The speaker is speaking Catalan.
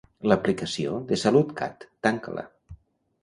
L'aplicació de Salutcat tanca-la.